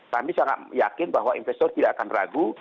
kami sangat yakin bahwa investor tidak akan ragu